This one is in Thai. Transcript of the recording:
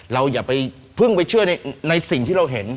อย่าไปเพิ่งไปเชื่อในสิ่งที่เราเห็น